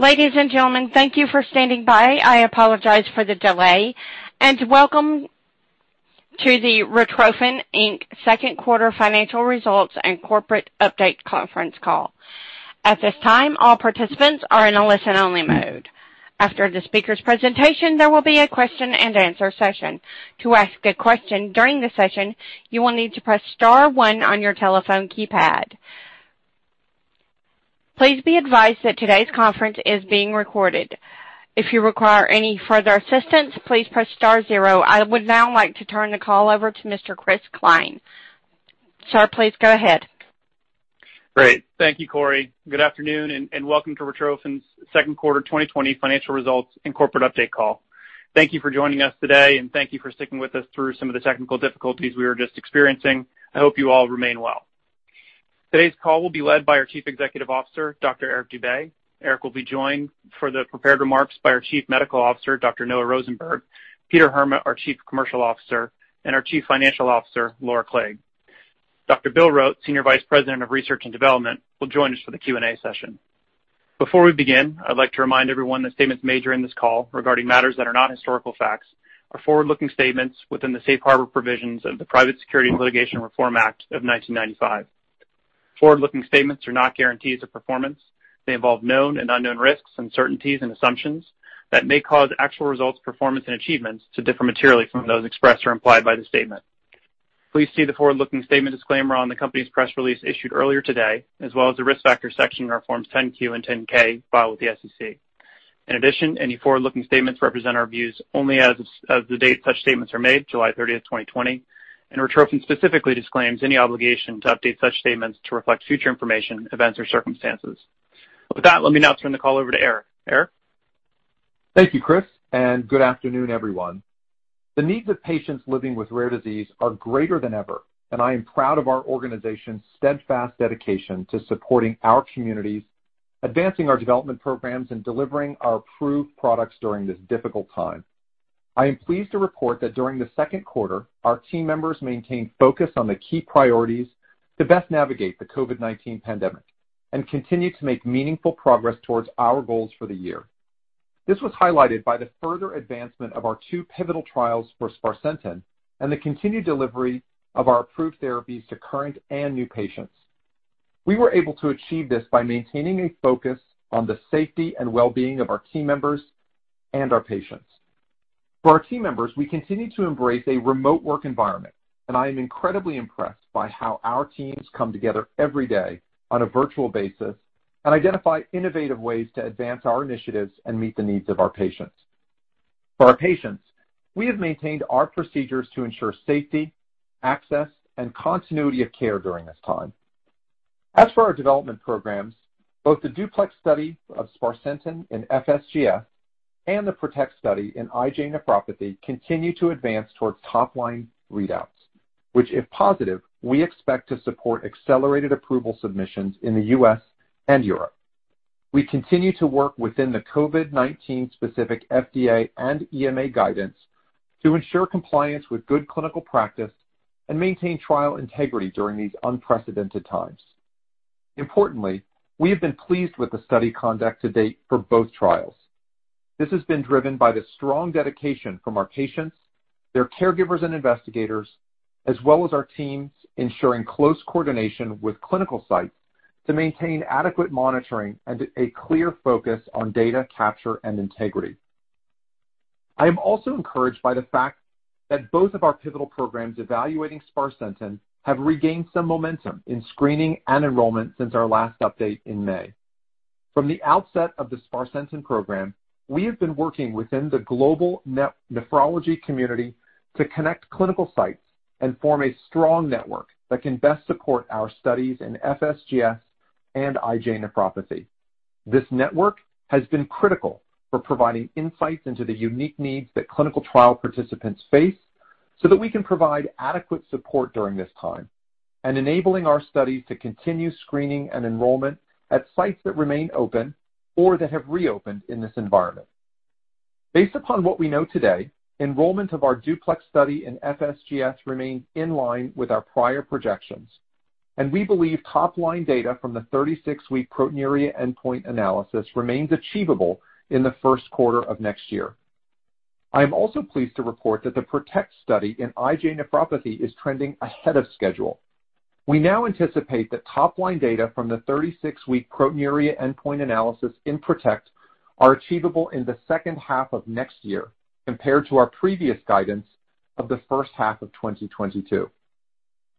Ladies and gentlemen, thank you for standing by. I apologize for the delay, and welcome to the Retrophin Inc. second quarter financial results and corporate update conference call. At this time, all participants are in a listen-only mode. After the speaker's presentation, there will be a question-and-answer session. To ask a question during the session, you will need to press star one on your telephone keypad. Please be advised that today's conference is being recorded. If you require any further assistance, please press star zero. I would now like to turn the call over to Mr. Chris Cline. Sir, please go ahead. Great. Thank you, Corey. Good afternoon, and welcome to Retrophin's second quarter 2020 financial results and corporate update call. Thank you for joining us today, and thank you for sticking with us through some of the technical difficulties we were just experiencing. I hope you all remain well. Today's call will be led by our Chief Executive Officer, Dr. Eric Dube. Eric will be joined for the prepared remarks by our Chief Medical Officer, Dr. Noah Rosenberg, Peter Heerma, our Chief Commercial Officer, and our Chief Financial Officer, Laura Clague. Dr. William Rote, Senior Vice President of Research and Development, will join us for the Q&A session. Before we begin, I'd like to remind everyone that statements made during this call regarding matters that are not historical facts are forward-looking statements within the Safe Harbor provisions of the Private Securities Litigation Reform Act of 1995. Forward-looking statements are not guarantees of performance. They involve known and unknown risks, uncertainties, and assumptions that may cause actual results, performance, and achievements to differ materially from those expressed or implied by the statement. Please see the forward-looking statement disclaimer on the company's press release issued earlier today, as well as the Risk Factors section in our Forms 10-Q and 10-K filed with the SEC. Any forward-looking statements represent our views only as of the date such statements are made, July 30th, 2020, and Retrophin specifically disclaims any obligation to update such statements to reflect future information, events, or circumstances. With that, let me now turn the call over to Eric. Eric? Thank you, Chris. Good afternoon, everyone. The needs of patients living with rare disease are greater than ever, and I am proud of our organization's steadfast dedication to supporting our communities, advancing our development programs, and delivering our approved products during this difficult time. I am pleased to report that during the second quarter, our team members maintained focus on the key priorities to best navigate the COVID-19 pandemic and continued to make meaningful progress towards our goals for the year. This was highlighted by the further advancement of our two pivotal trials for sparsentan and the continued delivery of our approved therapies to current and new patients. We were able to achieve this by maintaining a focus on the safety and well-being of our team members and our patients. For our team members, we continue to embrace a remote work environment, and I am incredibly impressed by how our teams come together every day on a virtual basis and identify innovative ways to advance our initiatives and meet the needs of our patients. For our patients, we have maintained our procedures to ensure safety, access, and continuity of care during this time. As for our development programs, both the DUPLEX study of sparsentan in FSGS and the PROTECT study in IgA nephropathy continue to advance towards top-line readouts, which, if positive, we expect to support accelerated approval submissions in the U.S. and Europe. We continue to work within the COVID-19-specific FDA and EMA guidance to ensure compliance with good clinical practice and maintain trial integrity during these unprecedented times. Importantly, we have been pleased with the study conduct to date for both trials. This has been driven by the strong dedication from our patients, their caregivers, and investigators, as well as our teams ensuring close coordination with clinical sites to maintain adequate monitoring and a clear focus on data capture and integrity. I am also encouraged by the fact that both of our pivotal programs evaluating sparsentan have regained some momentum in screening and enrollment since our last update in May. From the outset of the sparsentan program, we have been working within the global nephrology community to connect clinical sites and form a strong network that can best support our studies in FSGS and IgA nephropathy. This network has been critical for providing insights into the unique needs that clinical trial participants face so that we can provide adequate support during this time and enabling our studies to continue screening and enrollment at sites that remain open or that have reopened in this environment. Based upon what we know today, enrollment of our DUPLEX study in FSGS remains in line with our prior projections, and we believe top-line data from the 36-week proteinuria endpoint analysis remains achievable in the first quarter of next year. I am also pleased to report that the PROTECT study in IgA nephropathy is trending ahead of schedule. We now anticipate that top-line data from the 36-week proteinuria endpoint analysis in PROTECT are achievable in the second half of next year, compared to our previous guidance of the first half of 2022.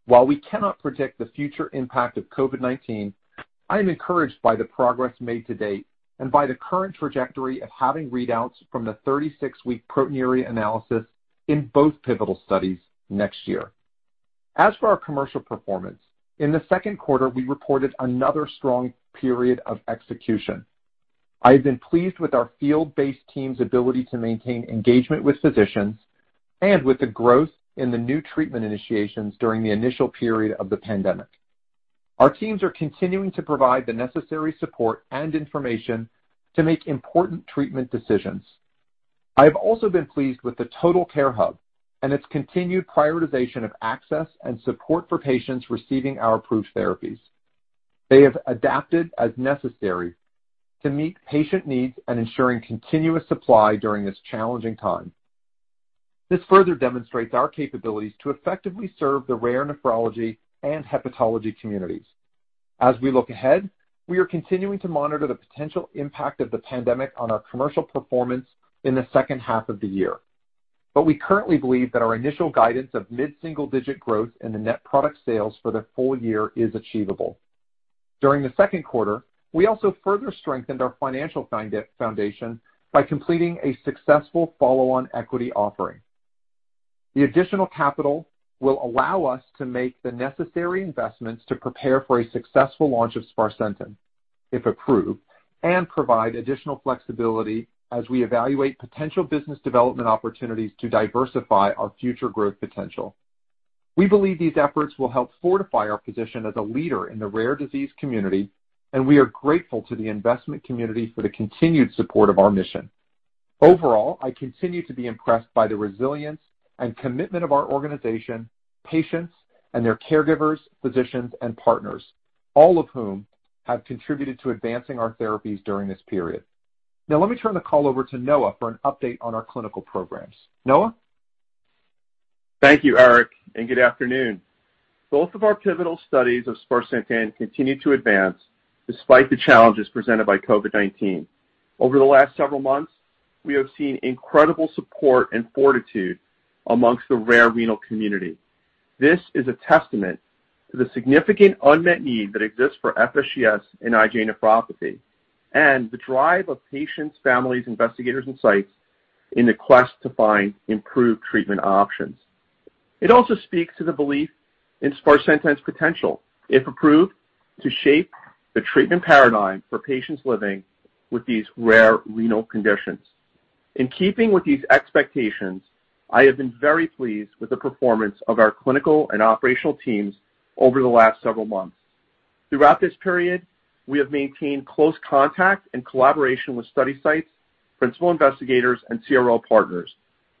While we cannot predict the future impact of COVID-19, I am encouraged by the progress made to date and by the current trajectory of having readouts from the 36-week proteinuria analysis in both pivotal studies next year. As for our commercial performance, in the second quarter, we reported another strong period of execution. I have been pleased with our field-based team's ability to maintain engagement with physicians and with the growth in the new treatment initiations during the initial period of the pandemic. Our teams are continuing to provide the necessary support and information to make important treatment decisions. I have also been pleased with the Total Care HUB and its continued prioritization of access and support for patients receiving our approved therapies. They have adapted as necessary to meet patient needs and ensuring continuous supply during this challenging time. We are continuing to monitor the potential impact of the pandemic on our commercial performance in the second half of the year. We currently believe that our initial guidance of mid-single-digit growth in the net product sales for the full year is achievable. During the second quarter, we also further strengthened our financial foundation by completing a successful follow-on equity offering. The additional capital will allow us to make the necessary investments to prepare for a successful launch of sparsentan, if approved, and provide additional flexibility as we evaluate potential business development opportunities to diversify our future growth potential. We believe these efforts will help fortify our position as a leader in the rare disease community, and we are grateful to the investment community for the continued support of our mission. Overall, I continue to be impressed by the resilience and commitment of our organization, patients and their caregivers, physicians, and partners, all of whom have contributed to advancing our therapies during this period. Now, let me turn the call over to Noah for an update on our clinical programs. Noah? Thank you, Eric. Good afternoon. Both of our pivotal studies of sparsentan continue to advance despite the challenges presented by COVID-19. Over the last several months, we have seen incredible support and fortitude amongst the rare renal community. This is a testament to the significant unmet need that exists for FSGS and IgA nephropathy and the drive of patients, families, investigators, and sites in the quest to find improved treatment options. It also speaks to the belief in sparsentan's potential, if approved, to shape the treatment paradigm for patients living with these rare renal conditions. In keeping with these expectations, I have been very pleased with the performance of our clinical and operational teams over the last several months. Throughout this period, we have maintained close contact and collaboration with study sites, principal investigators, and CRO partners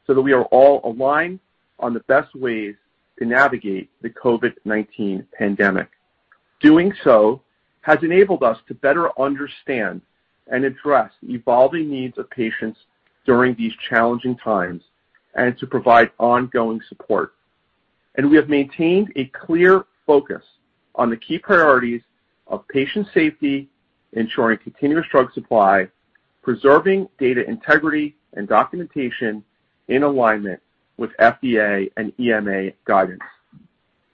that we are all aligned on the best ways to navigate the COVID-19 pandemic. Doing so has enabled us to better understand and address the evolving needs of patients during these challenging times and to provide ongoing support. We have maintained a clear focus on the key priorities of patient safety, ensuring continuous drug supply, preserving data integrity and documentation in alignment with FDA and EMA guidance.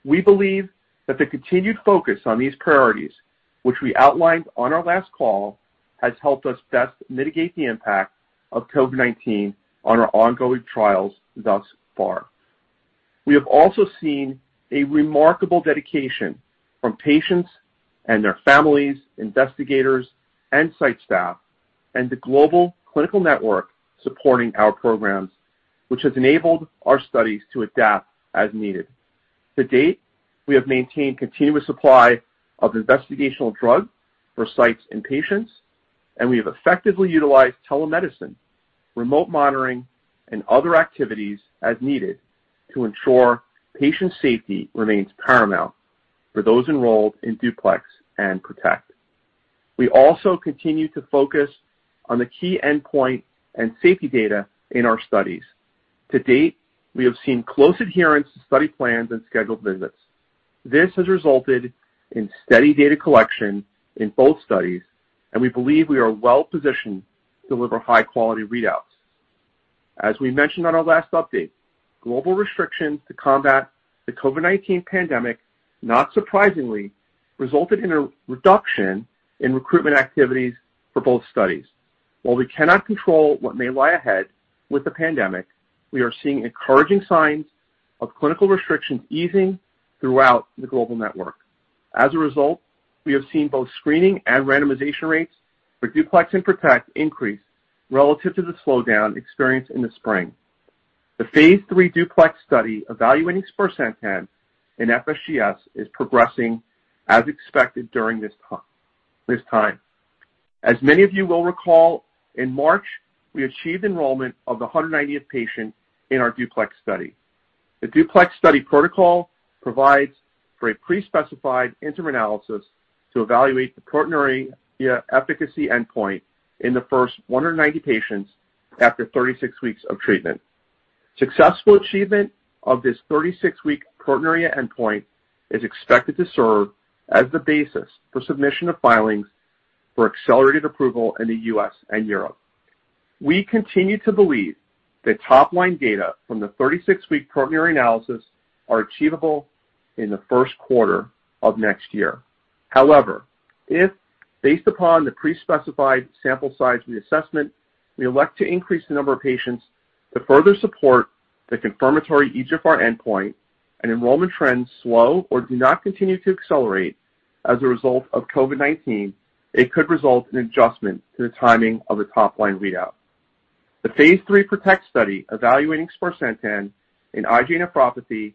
We believe that the continued focus on these priorities, which we outlined on our last call, has helped us best mitigate the impact of COVID-19 on our ongoing trials thus far. We have also seen a remarkable dedication from patients and their families, investigators and site staff, and the global clinical network supporting our programs, which has enabled our studies to adapt as needed. To date, we have maintained continuous supply of investigational drug for sites and patients, and we have effectively utilized telemedicine, remote monitoring, and other activities as needed to ensure patient safety remains paramount for those enrolled in DUPLEX and PROTECT. We also continue to focus on the key endpoint and safety data in our studies. To date, we have seen close adherence to study plans and scheduled visits. This has resulted in steady data collection in both studies, and we believe we are well-positioned to deliver high-quality readouts. As we mentioned on our last update, global restrictions to combat the COVID-19 pandemic, not surprisingly, resulted in a reduction in recruitment activities for both studies. While we cannot control what may lie ahead with the pandemic, we are seeing encouraging signs of clinical restrictions easing throughout the global network. As a result, we have seen both screening and randomization rates for DUPLEX and PROTECT increase relative to the slowdown experienced in the spring. The phase III DUPLEX study evaluating sparsentan in FSGS is progressing as expected during this time. As many of you will recall, in March, we achieved enrollment of the 190th patient in our DUPLEX study. The DUPLEX study protocol provides for a pre-specified interim analysis to evaluate the proteinuria efficacy endpoint in the first 190 patients after 36 weeks of treatment. Successful achievement of this 36-week proteinuria endpoint is expected to serve as the basis for submission of filings for accelerated approval in the U.S. and Europe. We continue to believe that top-line data from the 36-week proteinuria analysis are achievable in the first quarter of next year. However, if based upon the pre-specified sample size reassessment, we elect to increase the number of patients to further support the confirmatory eGFR endpoint and enrollment trends slow or do not continue to accelerate as a result of COVID-19, it could result in adjustment to the timing of the top-line readout. The phase III PROTECT study evaluating sparsentan in IgA nephropathy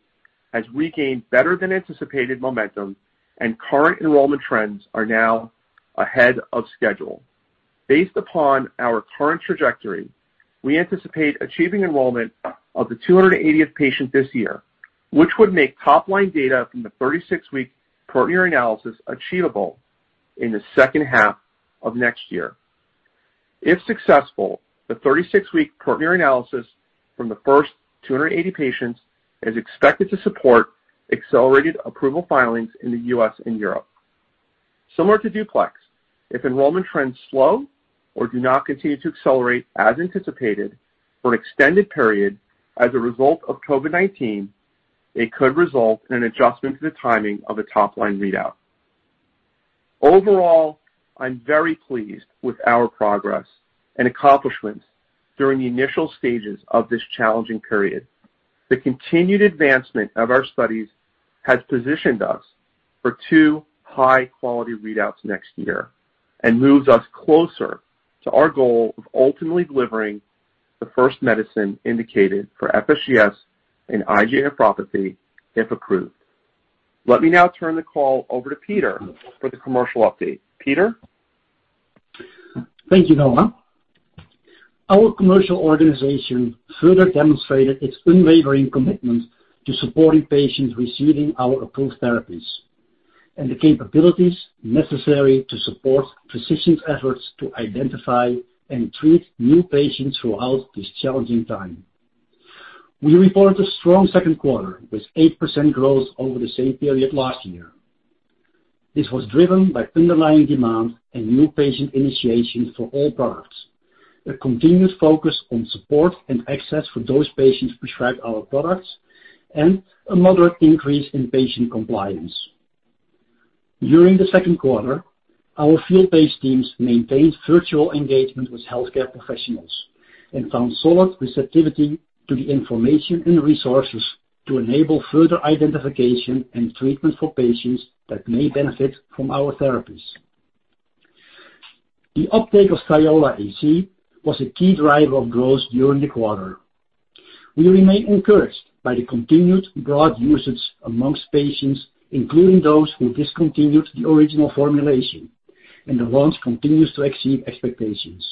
has regained better-than-anticipated momentum, and current enrollment trends are now ahead of schedule. Based upon our current trajectory, we anticipate achieving enrollment of the 280th patient this year, which would make top-line data from the 36-week proteinuria analysis achievable in the second half of next year. If successful, the 36-week proteinuria analysis from the first 280 patients is expected to support accelerated approval filings in the U.S. and Europe. Similar to DUPLEX, if enrollment trends slow or do not continue to accelerate as anticipated for an extended period as a result of COVID-19. It could result in an adjustment to the timing of a top-line readout. Overall, I'm very pleased with our progress and accomplishments during the initial stages of this challenging period. The continued advancement of our studies has positioned us for two high-quality readouts next year and moves us closer to our goal of ultimately delivering the first medicine indicated for FSGS and IgA nephropathy, if approved. Let me now turn the call over to Peter for the commercial update. Peter? Thank you, Noah. Our commercial organization further demonstrated its unwavering commitment to supporting patients receiving our approved therapies and the capabilities necessary to support physicians' efforts to identify and treat new patients throughout this challenging time. We report a strong second quarter with 8% growth over the same period last year. This was driven by underlying demand and new patient initiations for all products, a continued focus on support and access for those patients prescribed our products, and a moderate increase in patient compliance. During the second quarter, our field-based teams maintained virtual engagement with healthcare professionals and found solid receptivity to the information and resources to enable further identification and treatment for patients that may benefit from our therapies. The uptake of Thiola EC was a key driver of growth during the quarter. We remain encouraged by the continued broad usage amongst patients, including those who discontinued the original formulation, and the launch continues to exceed expectations.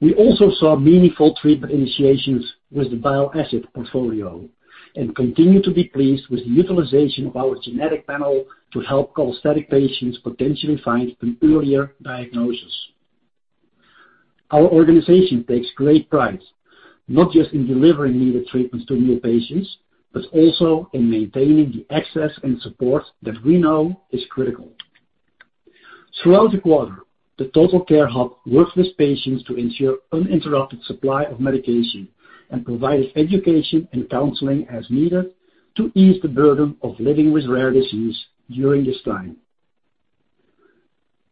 We also saw meaningful treatment initiations with the bile acid portfolio and continue to be pleased with the utilization of our genetic panel to help cholestatic patients potentially find an earlier diagnosis. Our organization takes great pride not just in delivering needed treatments to new patients, but also in maintaining the access and support that we know is critical. Throughout the quarter, the Total Care HUB worked with patients to ensure uninterrupted supply of medication and provided education and counseling as needed to ease the burden of living with a rare disease during this time.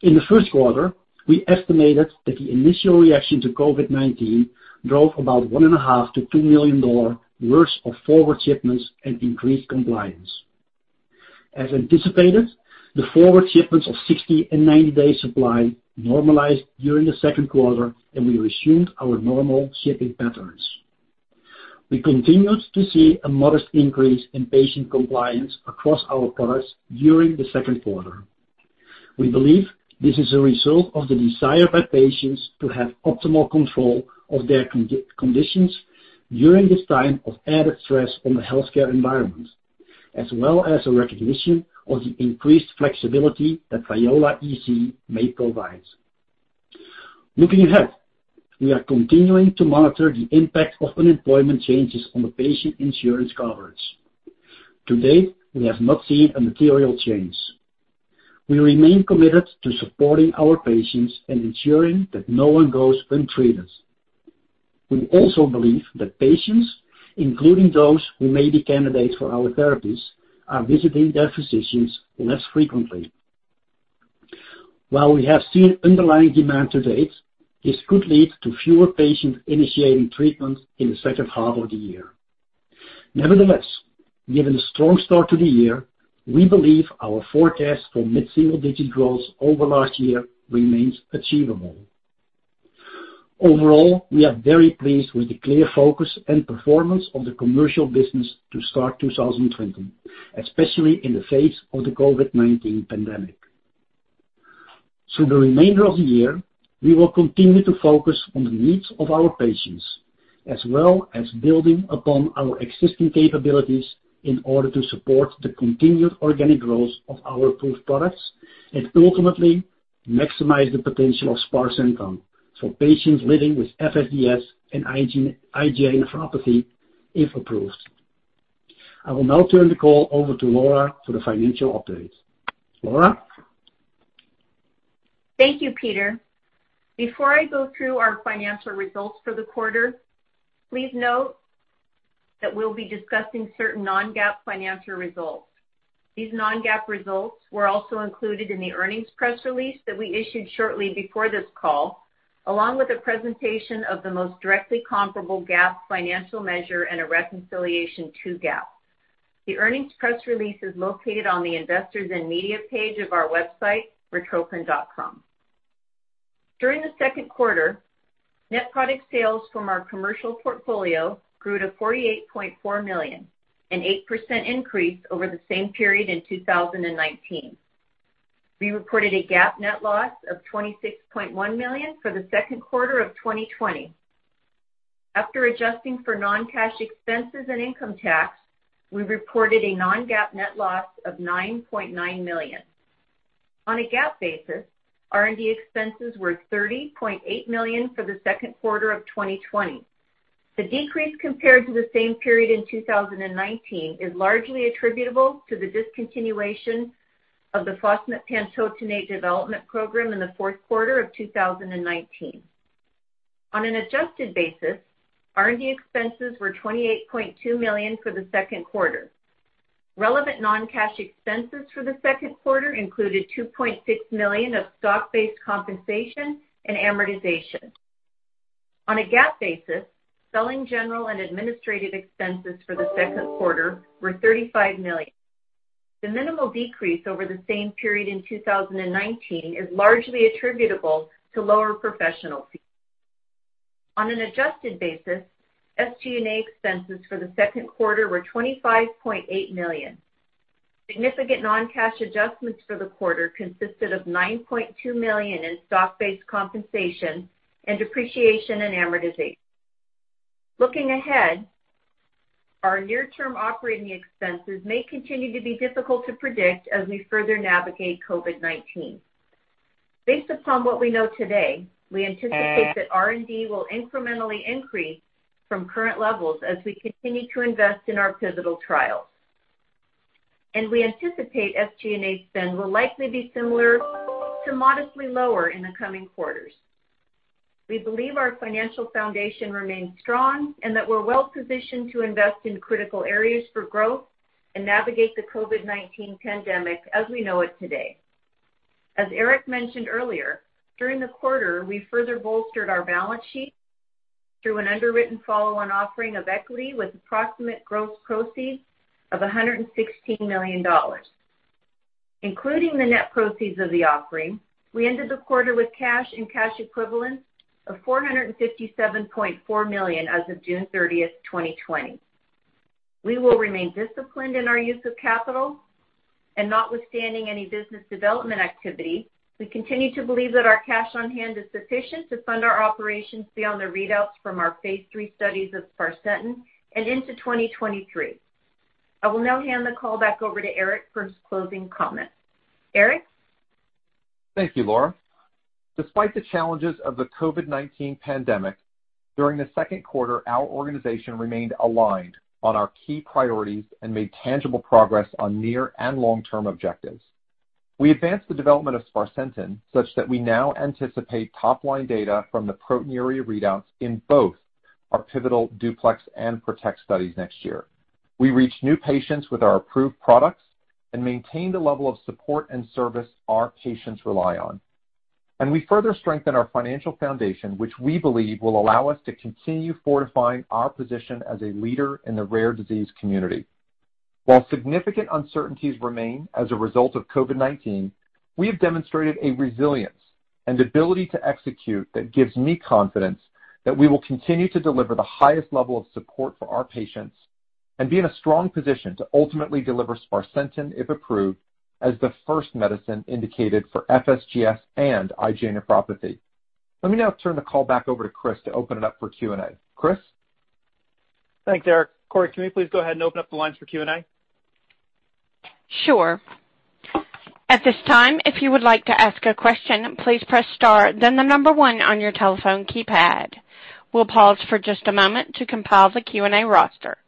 In the first quarter, we estimated that the initial reaction to COVID-19 drove about $1.5 million-$2 million worth of forward shipments and increased compliance. As anticipated, the forward shipments of 60- and 90-day supply normalized during the second quarter, and we resumed our normal shipping patterns. We continued to see a modest increase in patient compliance across our products during the second quarter. We believe this is a result of the desire by patients to have optimal control of their conditions during this time of added stress on the healthcare environment, as well as a recognition of the increased flexibility that Thiola EC may provide. Looking ahead, we are continuing to monitor the impact of unemployment changes on the patient insurance coverage. To date, we have not seen a material change. We remain committed to supporting our patients and ensuring that no one goes untreated. We also believe that patients, including those who may be candidates for our therapies, are visiting their physicians less frequently. While we have seen underlying demand to date, this could lead to fewer patients initiating treatment in the second half of the year. Nevertheless, given the strong start to the year, we believe our forecast for mid-single-digit growth over last year remains achievable. Overall, we are very pleased with the clear focus and performance of the commercial business to start 2020, especially in the face of the COVID-19 pandemic. Through the remainder of the year, we will continue to focus on the needs of our patients, as well as building upon our existing capabilities in order to support the continued organic growth of our approved products and ultimately maximize the potential of sparsentan for patients living with FSGS and IgA nephropathy, if approved. I will now turn the call over to Laura for the financial update. Laura? Thank you, Peter. Before I go through our financial results for the quarter, please note that we'll be discussing certain non-GAAP financial results. These non-GAAP results were also included in the earnings press release that we issued shortly before this call, along with a presentation of the most directly comparable GAAP financial measure and a reconciliation to GAAP. The earnings press release is located on the Investors and Media page of our website, retrophin.com. During the second quarter, net product sales from our commercial portfolio grew to $48.4 million, an 8% increase over the same period in 2019. We reported a GAAP net loss of $26.1 million for the second quarter of 2020. After adjusting for non-cash expenses and income tax, we reported a non-GAAP net loss of $9.9 million. On a GAAP basis, R&D expenses were $30.8 million for the second quarter of 2020. The decrease compared to the same period in 2019 is largely attributable to the discontinuation of the fosmetpantotenate development program in the fourth quarter of 2019. On an adjusted basis, R&D expenses were $28.2 million for the second quarter. Relevant non-cash expenses for the second quarter included $2.6 million of stock-based compensation and amortization. On a GAAP basis, selling, general, and administrative expenses for the second quarter were $35 million. The minimal decrease over the same period in 2019 is largely attributable to lower professional fees. On an adjusted basis, SG&A expenses for the second quarter were $25.8 million. Significant non-cash adjustments for the quarter consisted of $9.2 million in stock-based compensation and depreciation, and amortization. Looking ahead, our near-term operating expenses may continue to be difficult to predict as we further navigate COVID-19. Based upon what we know today, we anticipate that R&D will incrementally increase from current levels as we continue to invest in our pivotal trials. We anticipate SG&A spend will likely be similar to modestly lower in the coming quarters. We believe our financial foundation remains strong and that we're well-positioned to invest in critical areas for growth and navigate the COVID-19 pandemic as we know it today. As Eric mentioned earlier, during the quarter, we further bolstered our balance sheet through an underwritten follow-on offering of equity with approximate gross proceeds of $116 million. Including the net proceeds of the offering, we ended the quarter with cash and cash equivalents of $457.4 million as of June 30th, 2020. We will remain disciplined in our use of capital, and notwithstanding any business development activity, we continue to believe that our cash on hand is sufficient to fund our operations beyond the readouts from our phase III studies of sparsentan and into 2023. I will now hand the call back over to Eric for his closing comments. Eric? Thank you, Laura. Despite the challenges of the COVID-19 pandemic, during the second quarter, our organization remained aligned on our key priorities and made tangible progress on near and long-term objectives. We advanced the development of sparsentan such that we now anticipate top-line data from the proteinuria readouts in both our pivotal DUPLEX and PROTECT studies next year. We reached new patients with our approved products and maintained a level of support and service our patients rely on. We further strengthened our financial foundation, which we believe will allow us to continue fortifying our position as a leader in the rare disease community. While significant uncertainties remain as a result of COVID-19, we have demonstrated a resilience and ability to execute that gives me confidence that we will continue to deliver the highest level of support for our patients and be in a strong position to ultimately deliver sparsentan, if approved, as the first medicine indicated for FSGS and IgA nephropathy. Let me now turn the call back over to Chris to open it up for Q&A. Chris? Thanks, Eric. Corey, can we please go ahead and open up the lines for Q&A? Sure. At this time, if you would like to ask a question, please press star then the number one on your telephone keypad. We'll pause for just a moment to compile the Q&A roster.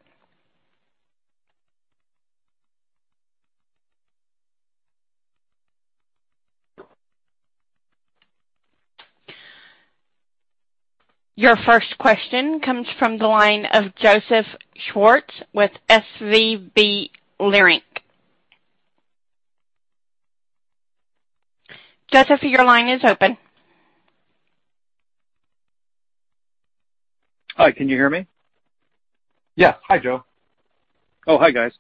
Your first question comes from the line of Joseph Schwartz with SVB Leerink. Joseph, your line is open. Hi, can you hear me? Yeah. Hi, Joe. Oh, hi guys.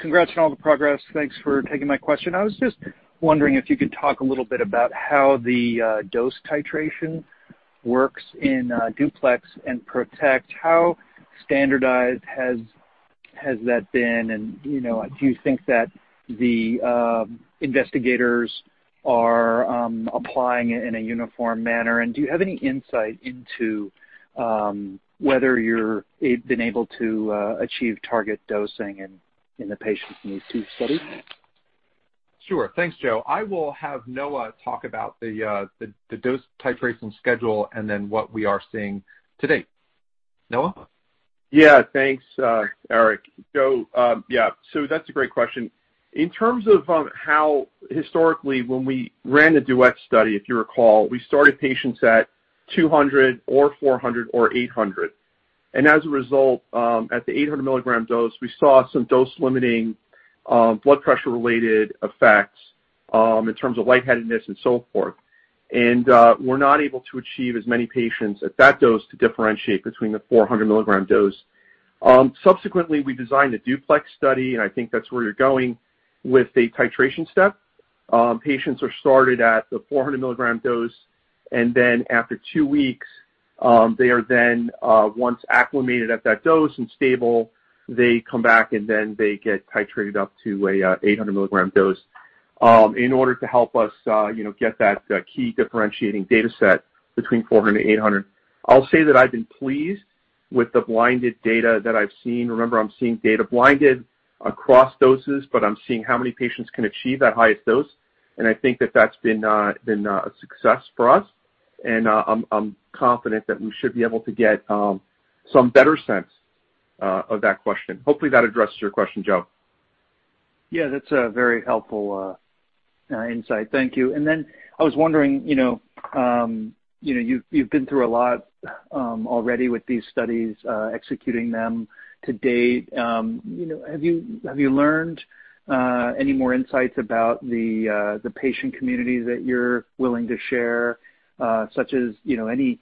Congrats on all the progress. Thanks for taking my question. I was just wondering if you could talk a little bit about how the dose titration works in DUPLEX and PROTECT. How standardized has that been? Do you think that the investigators are applying it in a uniform manner, and do you have any insight into whether you're been able to achieve target dosing in the patients in these two studies? Sure. Thanks, Joe. I will have Noah talk about the dose titration schedule and then what we are seeing to date. Noah? Yeah. Thanks, Eric. Joe, yeah. That's a great question. In terms of how historically when we ran the DUET study, if you recall, we started patients at 200 or 400 or 800. As a result, at the 800 milligram dose, we saw some dose-limiting, blood pressure-related effects in terms of lightheadedness and so forth. We're not able to achieve as many patients at that dose to differentiate between the 400 milligram dose. Subsequently, we designed the DUPLEX study, and I think that's where you're going with a titration step. Patients are started at the 400 milligram dose, and then after two weeks, they are then, once acclimated at that dose and stable, they come back, and then they get titrated up to a 800 milligram dose in order to help us get that key differentiating data set between 400 and 800. I'll say that I've been pleased with the blinded data that I've seen. Remember, I'm seeing data blinded across doses, but I'm seeing how many patients can achieve that highest dose, and I think that that's been a success for us. I'm confident that we should be able to get some better sense of that question. Hopefully, that addresses your question, Joe. Yeah, that's a very helpful insight. Thank you. I was wondering, you've been through a lot already with these studies, executing them to date. Have you learned any more insights about the patient community that you're willing to share? Such as any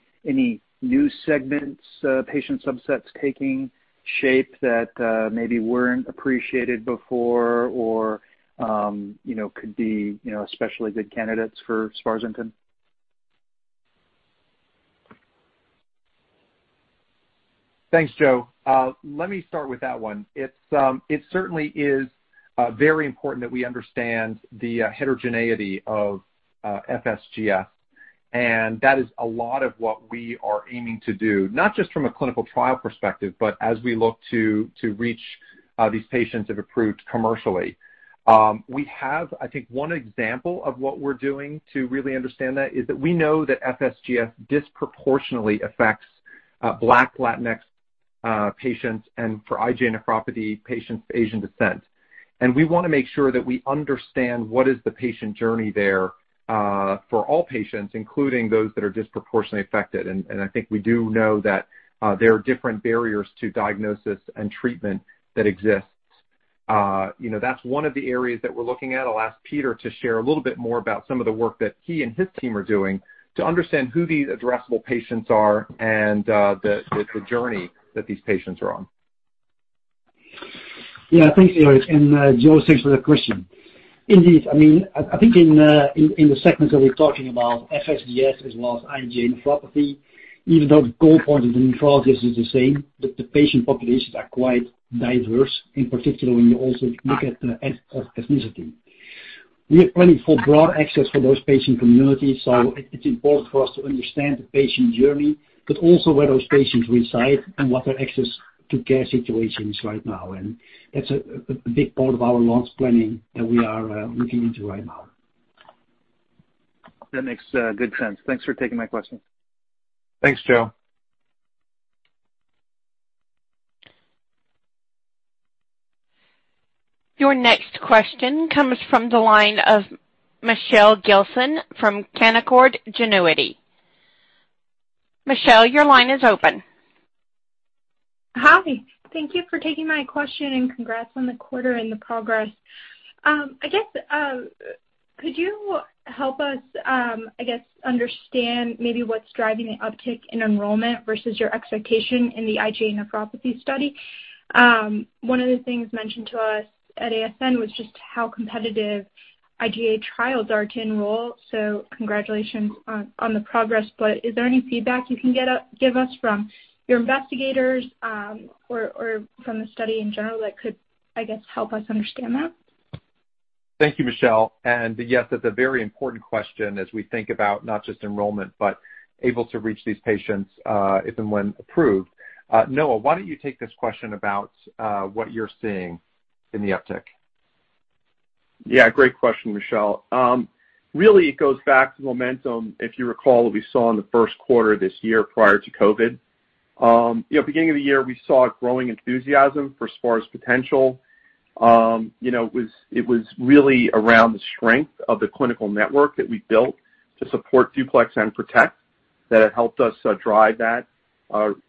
new segments, patient subsets taking shape that maybe weren't appreciated before or could be especially good candidates for sparsentan? Thanks, Joe. Let me start with that one. It certainly is very important that we understand the heterogeneity of FSGS, and that is a lot of what we are aiming to do, not just from a clinical trial perspective, but as we look to reach these patients, if approved commercially. We have, I think, one example of what we're doing to really understand that is that we know that FSGS disproportionately affects Black, Latinx patients, and for IgA nephropathy, patients of Asian descent. We want to make sure that we understand what is the patient journey there for all patients, including those that are disproportionately affected. I think we do know that there are different barriers to diagnosis and treatment that exist. That's one of the areas that we're looking at. I'll ask Peter to share a little bit more about some of the work that he and his team are doing to understand who these addressable patients are and the journey that these patients are on. Yeah. Thanks, Eric. Joe, thanks for that question. Indeed. I think in the segment that we're talking about, FSGS as well as IgA nephropathy, even though the goal point of the nephrologist is the same, the patient populations are quite diverse, in particular when you also look at ethnicity. We are planning for broad access for those patient communities, so it's important for us to understand the patient journey, but also where those patients reside and what their access to care situation is right now. That's a big part of our launch planning that we are looking into right now. That makes good sense. Thanks for taking my question. Thanks, Joe. Your next question comes from the line of Michelle Gilson from Canaccord Genuity. Michelle, your line is open. Hi. Thank you for taking my question and congrats on the quarter and the progress. I guess, could you help us, I guess, understand maybe what's driving the uptick in enrollment versus your expectation in the IgA nephropathy study? One of the things mentioned to us at ASN was just how competitive IgA trials are to enroll. Congratulations on the progress, but is there any feedback you can give us from your investigators or from the study in general that could, I guess, help us understand that? Thank you, Michelle. Yes, that's a very important question as we think about not just enrollment, but able to reach these patients if and when approved. Noah, why don't you take this question about what you're seeing in the uptick? Yeah, great question, Michelle. Really, it goes back to the momentum, if you recall, that we saw in the first quarter this year prior to COVID. Beginning of the year, we saw a growing enthusiasm for sparsentan. It was really around the strength of the clinical network that we built to support DUPLEX and PROTECT that have helped us drive that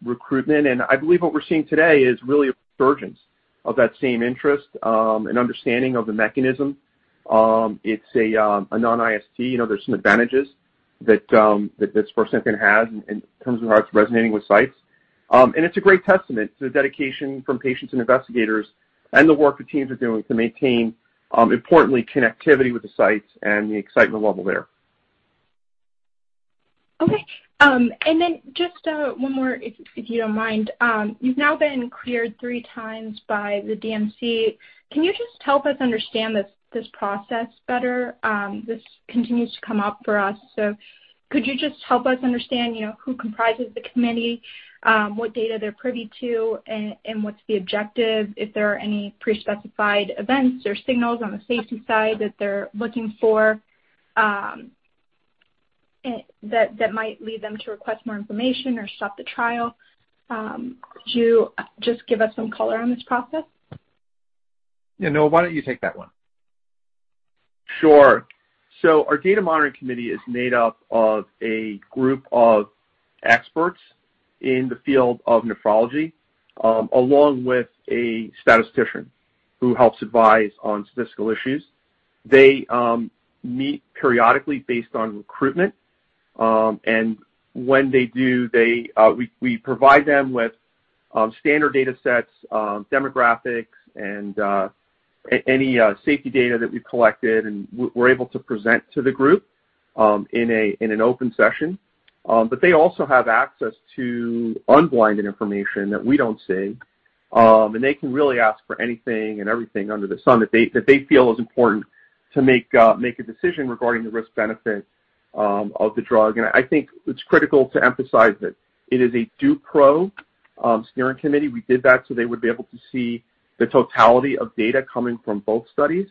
recruitment. I believe what we're seeing today is really a resurgence of that same interest and understanding of the mechanism. It's a non-IST. There's some advantages that sparsentan has in terms of how it's resonating with sites. It's a great testament to the dedication from patients and investigators and the work the teams are doing to maintain, importantly, connectivity with the sites and the excitement level there. Okay. just one more, if you don't mind. You've now been cleared three times by the DMC. Can you just help us understand this process better? This continues to come up for us. Could you just help us understand who comprises the committee, what data they're privy to, and what's the objective, if there are any pre-specified events or signals on the safety side that they're looking for that might lead them to request more information or stop the trial? Could you just give us some color on this process? Yeah. Noah, why don't you take that one? Sure. our data monitoring committee is made up of a group of experts in the field of nephrology, along with a statistician who helps advise on statistical issues. They meet periodically based on recruitment. when they do, we provide them with standard data sets, demographics, and any safety data that we've collected, and we're able to present to the group in an open session. they also have access to unblinded information that we don't see. they can really ask for anything and everything under the sun that they feel is important to make a decision regarding the risk-benefit of the drug. I think it's critical to emphasize that it is a DUPRO steering committee. We did that so they would be able to see the totality of data coming from both studies.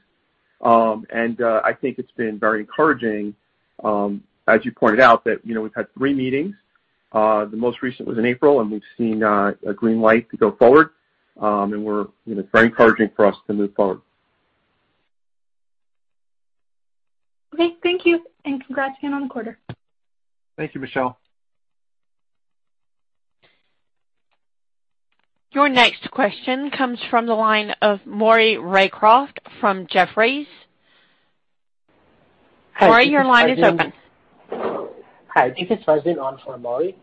I think it's been very encouraging, as you pointed out, that we've had three meetings. The most recent was in April, and we've seen a green light to go forward. It's very encouraging for us to move forward. Okay. Thank you, and congrats again on the quarter. Thank you, Michelle. Your next question comes from the line of Maury Raycroft from Jefferies. Maury, your line is open. Hi. This is Farzin on for Maury.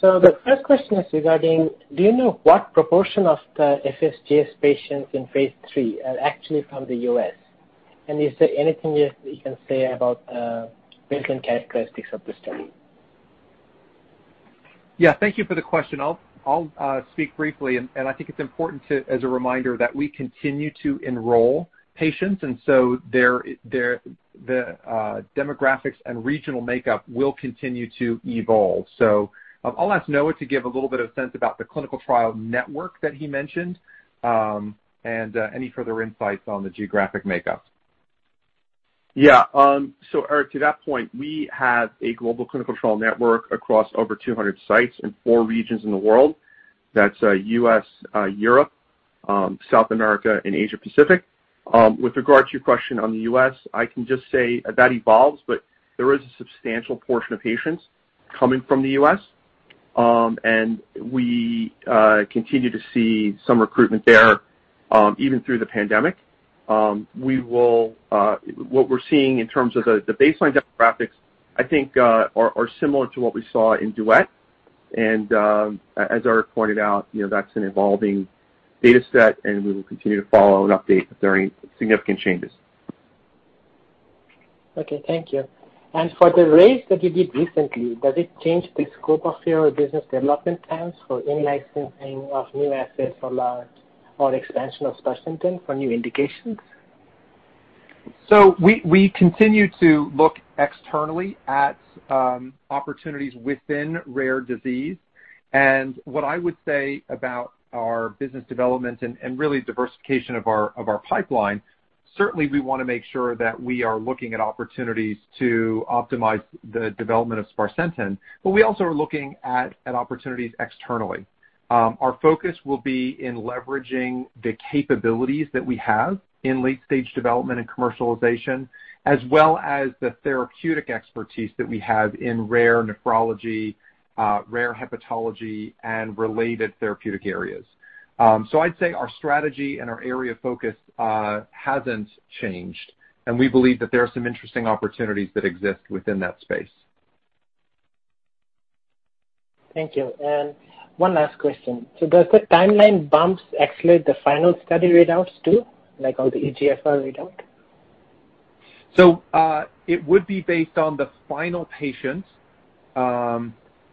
The first question is regarding, do you know what proportion of the FSGS patients in phase III are actually from the U.S.? Is there anything you can say about baseline characteristics of the study? Yeah. Thank you for the question. I'll speak briefly, and I think it's important, as a reminder, that we continue to enroll patients, and so the demographics and regional makeup will continue to evolve. I'll ask Noah to give a little bit of sense about the clinical trial network that he mentioned, and any further insights on the geographic makeup. Yeah. Eric, to that point, we have a global clinical trial network across over 200 sites in four regions in the world. That's U.S., Europe, South America, and Asia Pacific. With regard to your question on the U.S., I can just say that evolves, but there is a substantial portion of patients coming from the U.S. We continue to see some recruitment there, even through the pandemic. What we're seeing in terms of the baseline demographics, I think, are similar to what we saw in DUET. As Eric pointed out, that's an evolving data set, and we will continue to follow and update if there are any significant changes. Okay. Thank you. For the raise that you did recently, does it change the scope of your business development plans for any licensing of new assets or expansion of sparsentan for new indications? We continue to look externally at opportunities within rare disease. what I would say about our business development and really diversification of our pipeline, certainly we want to make sure that we are looking at opportunities to optimize the development of sparsentan, but we also are looking at opportunities externally. Our focus will be in leveraging the capabilities that we have in late-stage development and commercialization, as well as the therapeutic expertise that we have in rare nephrology, rare hepatology, and related therapeutic areas. I'd say our strategy and our area of focus hasn't changed, and we believe that there are some interesting opportunities that exist within that space. Thank you. One last question. Do the timeline bumps accelerate the final study readouts too, like on the eGFR readout? It would be based on the final patients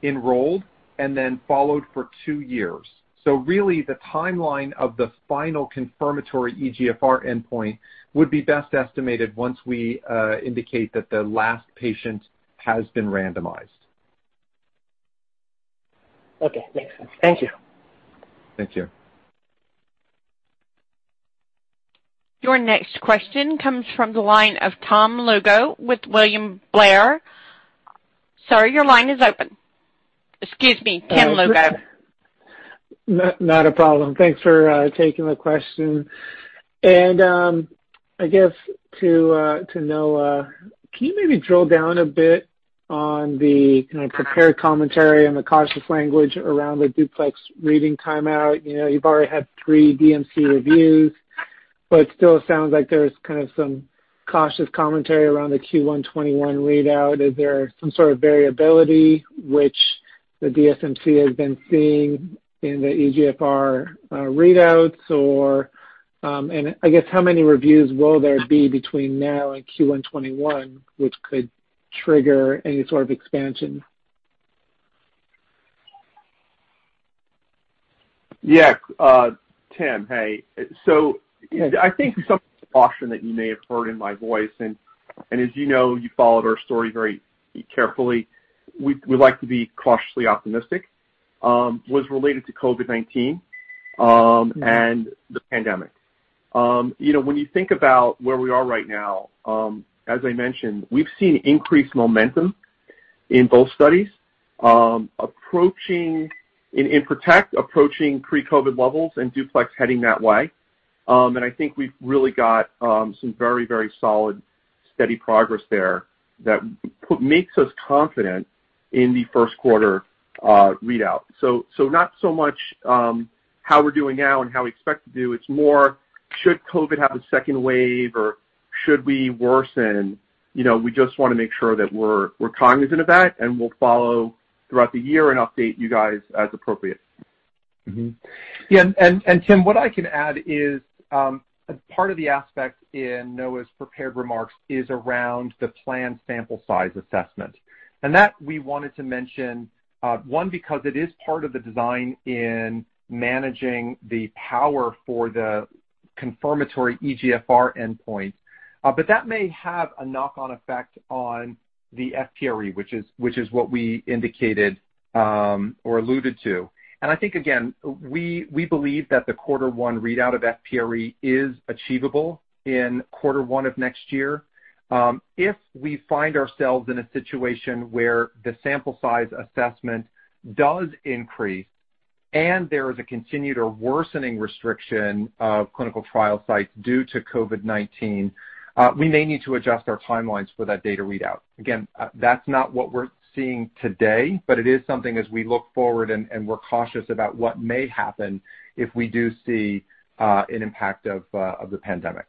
enrolled and then followed for two years. Really the timeline of the final confirmatory eGFR endpoint would be best estimated once we indicate that the last patient has been randomized. Okay. Makes sense. Thank you. Thank you. Your next question comes from the line of Tim Lugo with William Blair. Sir, your line is open. Excuse me, Tim Lugo. Not a problem. Thanks for taking the question. I guess to Noah, can you maybe drill down a bit on the kind of prepared commentary and the cautious language around the DUPLEX reading timeout? You've already had three DMC reviews, but it still sounds like there's kind of some cautious commentary around the Q1 2021 readout. Is there some sort of variability which the DSMC has been seeing in the eGFR readouts? I guess how many reviews will there be between now and Q1 2021, which could trigger any sort of expansion? Yeah. Tim, hey. I think some caution that you may have heard in my voice, and as you know, you followed our story very carefully. We like to be cautiously optimistic. Was related to COVID-19 and the pandemic. When you think about where we are right now, as I mentioned, we've seen increased momentum in both studies. In PROTECT, approaching pre-COVID levels and DUPLEX heading that way. I think we've really got some very solid, steady progress there that makes us confident in the first quarter readout. Not so much how we're doing now and how we expect to do. It's more, should COVID have a second wave or should we worsen? We just want to make sure that we're cognizant of that, and we'll follow throughout the year and update you guys as appropriate. Tim, what I can add is part of the aspect in Noah's prepared remarks is around the planned sample size assessment. That we wanted to mention, one, because it is part of the design in managing the power for the confirmatory eGFR endpoint. That may have a knock-on effect on the FPRE, which is what we indicated or alluded to. I think, again, we believe that the quarter one readout of FPRE is achievable in quarter one of next year. If we find ourselves in a situation where the sample size assessment does increase and there is a continued or worsening restriction of clinical trial sites due to COVID-19, we may need to adjust our timelines for that data readout. Again, that's not what we're seeing today, but it is something as we look forward and we're cautious about what may happen if we do see an impact of the pandemic.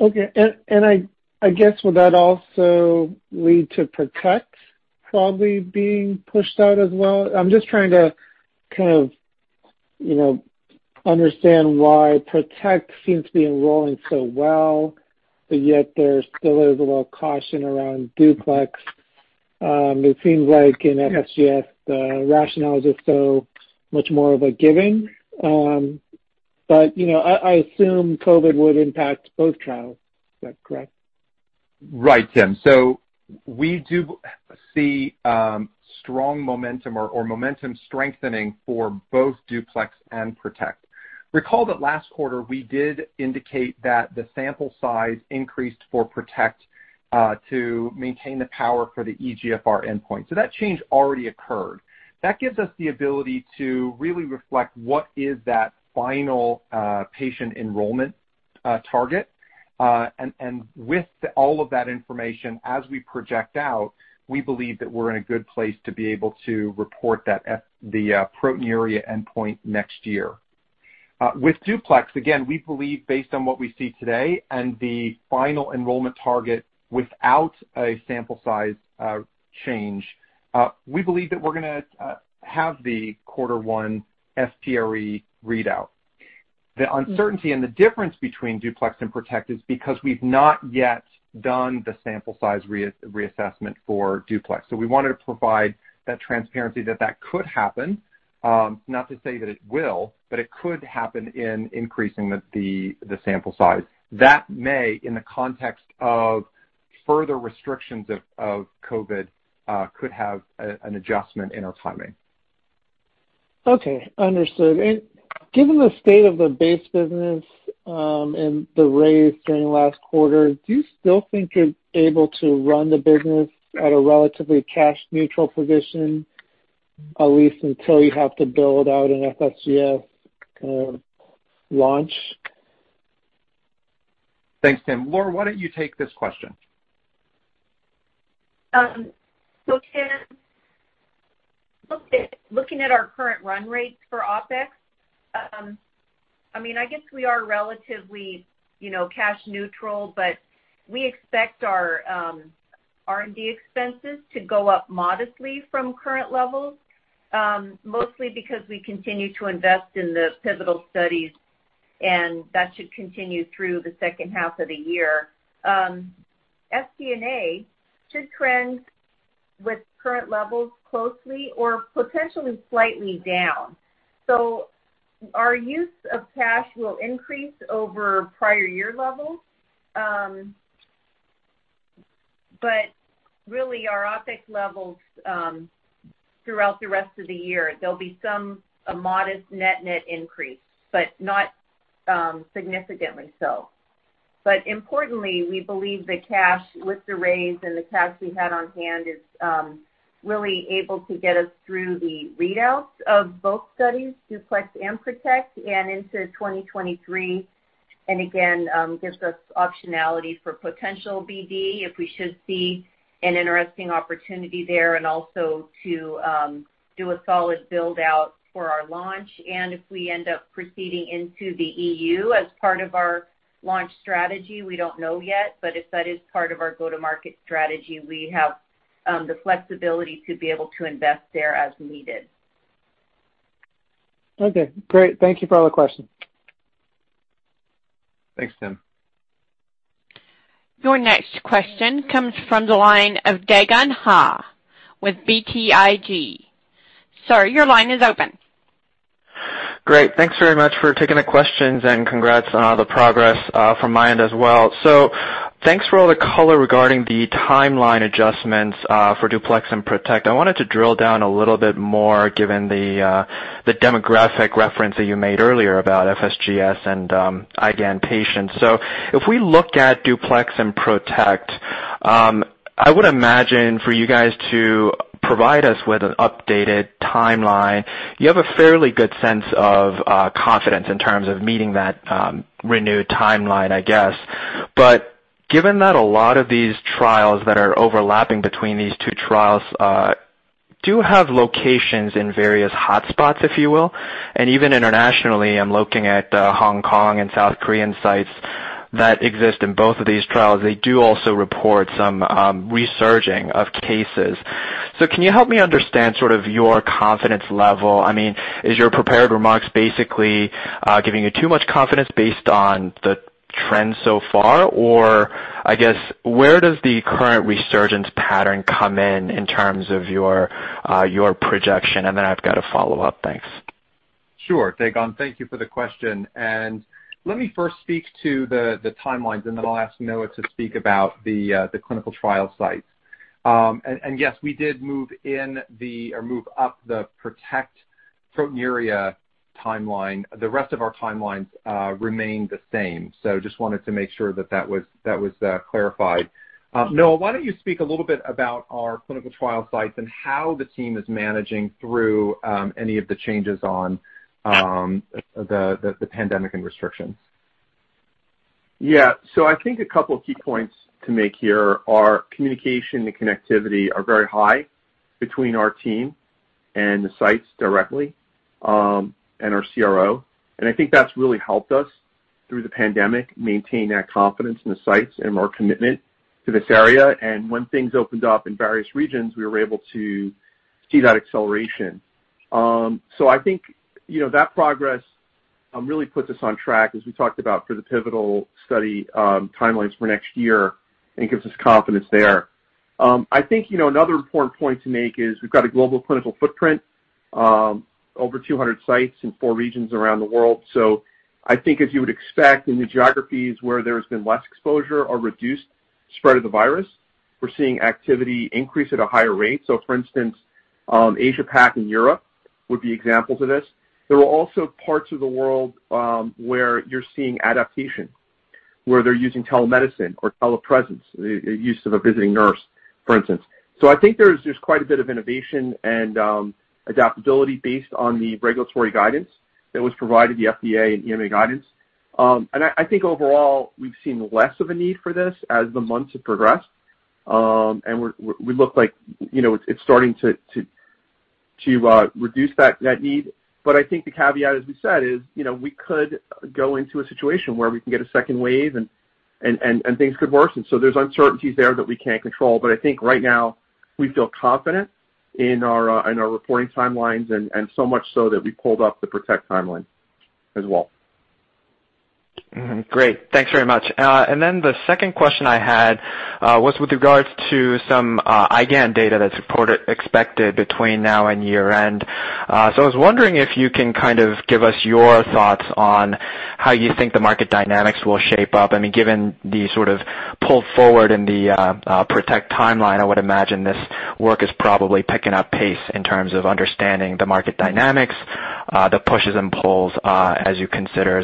Okay. I guess would that also lead to PROTECT probably being pushed out as well? I'm just trying to understand why PROTECT seems to be enrolling so well, but yet there still is a little caution around DUPLEX. It seems like in FSGS, the rationale is just so much more of a given. I assume COVID would impact both trials. Is that correct? Right, Tim. We do see strong momentum or momentum strengthening for both DUPLEX and PROTECT. Recall that last quarter, we did indicate that the sample size increased for PROTECT, to maintain the power for the eGFR endpoint. That change already occurred. That gives us the ability to really reflect what is that final patient enrollment target. With all of that information as we project out, we believe that we're in a good place to be able to report the proteinuria endpoint next year. With DUPLEX, again, we believe based on what we see today and the final enrollment target without a sample size change, we believe that we're going to have the quarter one FPRE readout. The uncertainty and the difference between DUPLEX and PROTECT is because we've not yet done the sample size reassessment for DUPLEX. We wanted to provide that transparency that could happen. Not to say that it will, but it could happen in increasing the sample size. That may, in the context of further restrictions of COVID, could have an adjustment in our timing. Okay. Understood. Given the state of the base business, and the raise during last quarter, do you still think you're able to run the business at a relatively cash neutral position, at least until you have to build out an FSGS launch? Thanks, Tim. Laura, why don't you take this question? Tim, looking at our current run rates for OpEx, I guess we are relatively cash neutral, but we expect our R&D expenses to go up modestly from current levels, mostly because we continue to invest in the pivotal studies, and that should continue through the second half of the year. SG&A should trend with current levels closely or potentially slightly down. Our use of cash will increase over prior year levels. Really our OpEx levels, throughout the rest of the year, there'll be a modest net-net increase, but not significantly so. Importantly, we believe the cash with the raise and the cash we had on hand is really able to get us through the readouts of both studies, DUPLEX and PROTECT, and into 2023, and again gives us optionality for potential BD if we should see an interesting opportunity there and also to do a solid build-out for our launch. If we end up proceeding into the EU as part of our launch strategy, we don't know yet, but if that is part of our go-to-market strategy, we have the flexibility to be able to invest there as needed. Okay, great. Thank you for all the questions. Thanks, Tim. Your next question comes from the line of Dae Gon Ha with BTIG. Sir, your line is open. Great. Thanks very much for taking the questions and congrats on all the progress from my end as well. Thanks for all the color regarding the timeline adjustments for DUPLEX and PROTECT. I wanted to drill down a little bit more given the demographic reference that you made earlier about FSGS and IgAN patients. If we look at DUPLEX and PROTECT, I would imagine for you guys to provide us with an updated timeline, you have a fairly good sense of confidence in terms of meeting that renewed timeline, I guess. Given that a lot of these trials that are overlapping between these two trials do have locations in various hotspots, if you will, and even internationally, I'm looking at Hong Kong and South Korean sites that exist in both of these trials. They do also report some resurging of cases. Can you help me understand sort of your confidence level? Is your prepared remarks basically giving you too much confidence based on the trends so far, or I guess where does the current resurgence pattern come in terms of your projection? Then I've got a follow-up. Thanks. Sure, Dae Gon. Thank you for the question. Let me first speak to the timelines, and then I'll ask Noah to speak about the clinical trial sites. Yes, we did move up the PROTECT proteinuria timeline. The rest of our timelines remain the same, just wanted to make sure that was clarified. Noah, why don't you speak a little bit about our clinical trial sites and how the team is managing through any of the changes on the pandemic and restrictions. I think a couple key points to make here are communication and connectivity are very high between our team and the sites directly, and our CRO. I think that's really helped us through the pandemic, maintain that confidence in the sites and our commitment to this area. When things opened up in various regions, we were able to see that acceleration. I think that progress really puts us on track as we talked about for the pivotal study timelines for next year and gives us confidence there. I think another important point to make is we've got a global clinical footprint, over 200 sites in four regions around the world. I think as you would expect in the geographies where there's been less exposure or reduced spread of the virus, we're seeing activity increase at a higher rate. For instance, Asia Pac and Europe would be examples of this. There are also parts of the world, where you're seeing adaptation, where they're using telemedicine or telepresence, use of a visiting nurse, for instance. I think there's quite a bit of innovation and adaptability based on the regulatory guidance that was provided, the FDA and EMA guidance. I think overall, we've seen less of a need for this as the months have progressed. We look like it's starting to reduce that need. I think the caveat, as we said, is we could go into a situation where we can get a second wave and things could worsen. There's uncertainties there that we can't control. I think right now we feel confident in our reporting timelines and so much so that we pulled up the PROTECT timeline as well. Great. Thanks very much. The second question I had was with regards to some IgAN data that's expected between now and year-end. I was wondering if you can kind of give us your thoughts on how you think the market dynamics will shape up. Given the sort of pull forward in the PROTECT timeline, I would imagine this work is probably picking up pace in terms of understanding the market dynamics, the pushes and pulls as you consider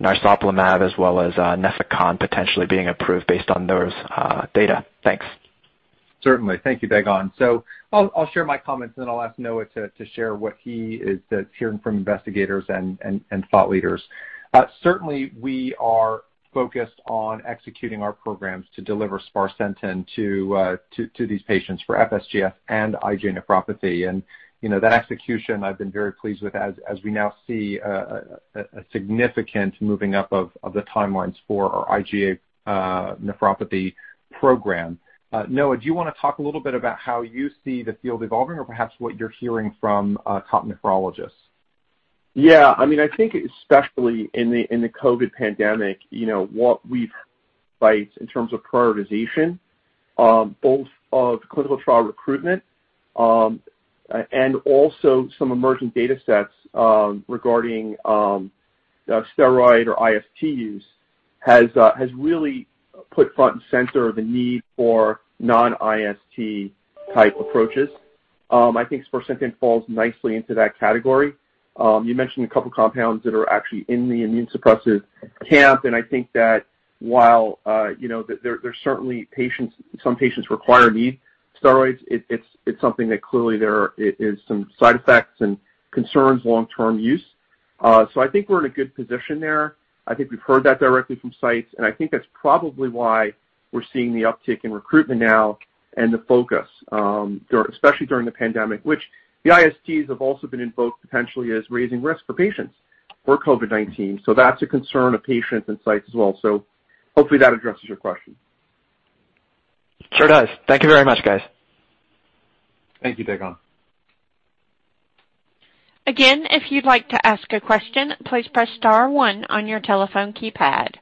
narsoplimab as well as Nefecon potentially being approved based on those data. Thanks. Certainly. Thank you, Dae Gon. I'll share my comments and then I'll ask Noah to share what he is hearing from investigators and thought leaders. Certainly, we are focused on executing our programs to deliver sparsentan to these patients for FSGS and IgA nephropathy. That execution I've been very pleased with as we now see a significant moving up of the timelines for our IgA nephropathy program. Noah, do you want to talk a little bit about how you see the field evolving or perhaps what you're hearing from top nephrologists? Yeah. I think especially in the COVID pandemic, what we've [seen] in terms of prioritization, both of clinical trial recruitment, and also some emerging data sets regarding steroid or IST use has really put front and center the need for non-IST type approaches. I think sparsentan falls nicely into that category. I think that while there's certainly some patients require or need steroids, it's something that clearly there is some side effects and concerns long-term use. I think we're in a good position there. I think we've heard that directly from sites. I think that's probably why we're seeing the uptick in recruitment now and the focus, especially during the pandemic, which the ISTs have also been invoked potentially as raising risk for patients for COVID-19. That's a concern of patients and sites as well. Hopefully that addresses your question. Sure does. Thank you very much, guys. Thank you, Dae Gon. Again, if you'd like to ask a question, please press star one on your telephone keypad.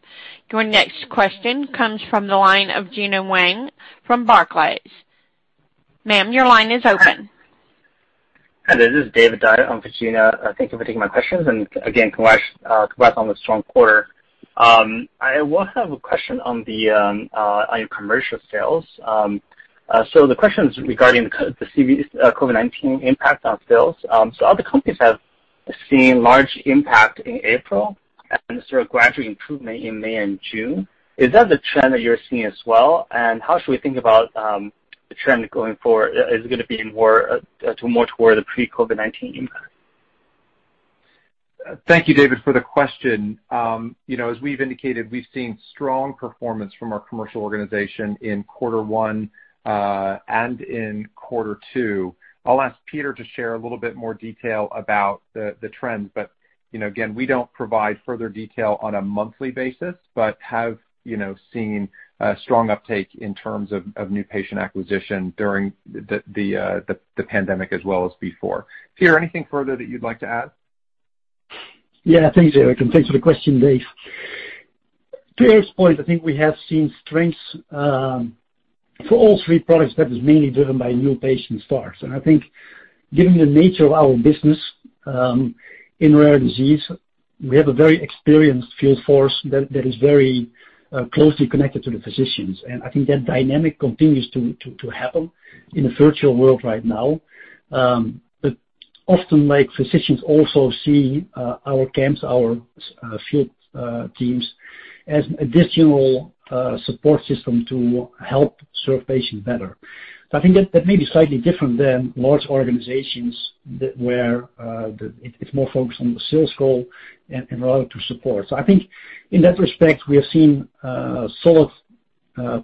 Your next question comes from the line of Gena Wang from Barclays. Ma'am, your line is open. Hi, this is David Dai on for Gena. Thank you for taking my questions, and again, congrats on the strong quarter. I have a question on your commercial sales. The question is regarding the COVID-19 impact on sales. Other companies have seen large impact in April and sort of gradual improvement in May and June. Is that the trend that you're seeing as well, and how should we think about the trend going forward? Is it going to be more toward the pre-COVID-19 impact? Thank you, David, for the question. As we've indicated, we've seen strong performance from our commercial organization in quarter one and in quarter two. I'll ask Peter to share a little bit more detail about the trends, but again, we don't provide further detail on a monthly basis, but have seen a strong uptake in terms of new patient acquisition during the pandemic as well as before. Peter, anything further that you'd like to add? Yeah. Thanks, Eric, and thanks for the question, Dave. To Eric's point, I think we have seen strengths for all three products that is mainly driven by new patient starts. I think given the nature of our business, in rare disease, we have a very experienced field force that is very closely connected to the physicians. I think that dynamic continues to happen in a virtual world right now. Often, physicians also see our camps, our field teams, as additional support system to help serve patients better. I think that may be slightly different than large organizations where it's more focused on the sales goal and rather to support. I think in that respect, we have seen solid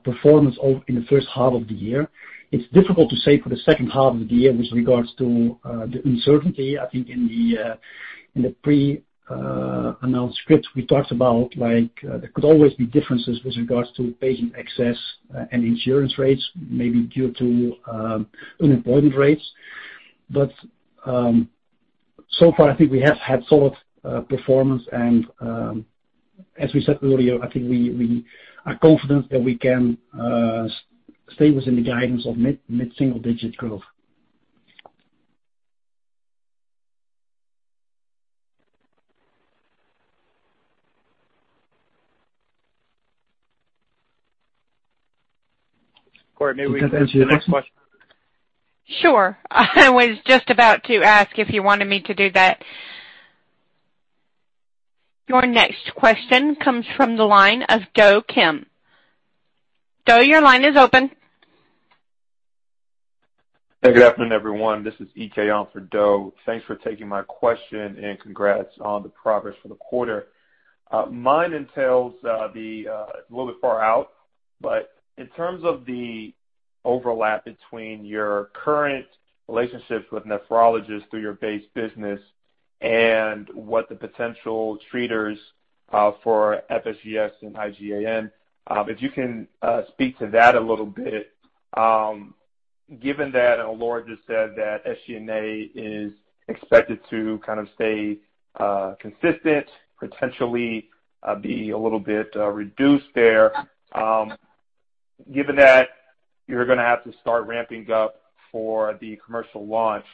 performance in the first half of the year. It's difficult to say for the second half of the year with regards to the uncertainty. I think in the pre-announced script we talked about, there could always be differences with regards to patient access and insurance rates, maybe due to unemployment rates. so far, I think we have had solid performance and, as we said earlier, I think we are confident that we can stay within the guidance of mid-single-digit growth. Corey, may we go to the next question? Sure. I was just about to ask if you wanted me to do that. Your next question comes from the line of Do Kim. Do, your line is open. Hey, good afternoon, everyone. This is Ike on for Do. Thanks for taking my question and congrats on the progress for the quarter. Mine entails a little bit far out, but in terms of the overlap between your current relationships with nephrologists through your base business and what the potential treaters for FSGS and IgAN, if you can speak to that a little bit given that Laura just said that SG&A is expected to kind of stay consistent, potentially be a little bit reduced there. Given that you're going to have to start ramping up for the commercial launch,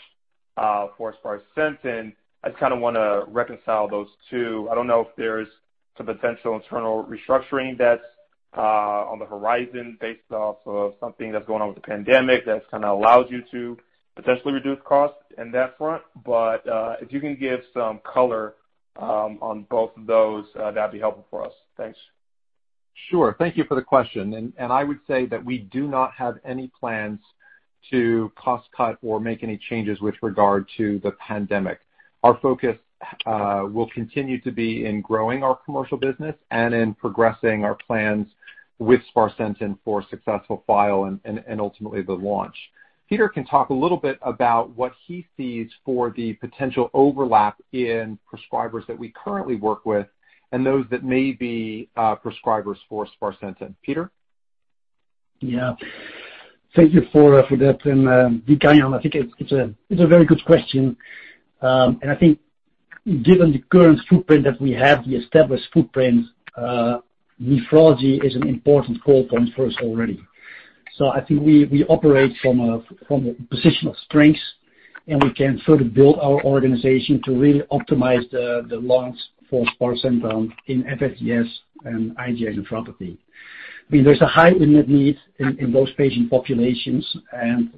as far as sparsentan, I just want to reconcile those two. I don't know if there's some potential internal restructuring that's on the horizon based off of something that's going on with the pandemic that's allowed you to potentially reduce costs in that front. If you can give some color on both of those, that'd be helpful for us. Thanks. Sure. Thank you for the question. I would say that we do not have any plans to cost cut or make any changes with regard to the pandemic. Our focus will continue to be in growing our commercial business and in progressing our plans with sparsentan for successful file and ultimately the launch. Peter can talk a little bit about what he sees for the potential overlap in prescribers that we currently work with and those that may be prescribers for sparsentan. Peter? Yeah. Thank you for that and good carrying on. I think it's a very good question. I think given the current footprint that we have, the established footprint, nephrology is an important focal point for us already. I think we operate from a position of strength, and we can further build our organization to really optimize the launch for sparsentan in FSGS and IgA nephropathy. There's a high unmet need in those patient populations and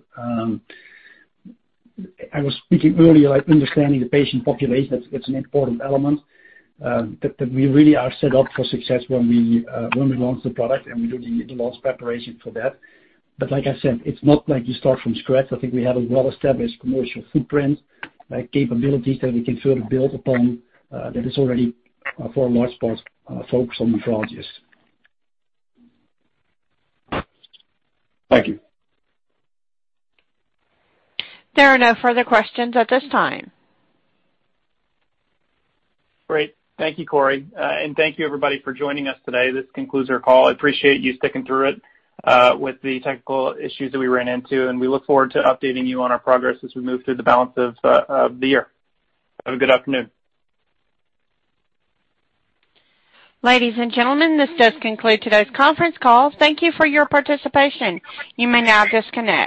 I was speaking earlier, understanding the patient population, it's an important element that we really are set up for success when we launch the product and we do the launch preparation for that. like I said, it's not like you start from scratch. I think we have a well-established commercial footprint, capabilities that we can further build upon that is already for the large part focused on nephrologists. Thank you. There are no further questions at this time. Great. Thank you, Corey. Thank you everybody for joining us today. This concludes our call. I appreciate you sticking through it with the technical issues that we ran into and we look forward to updating you on our progress as we move through the balance of the year. Have a good afternoon. Ladies and gentlemen, this does conclude today's conference call. Thank you for your participation. You may now disconnect.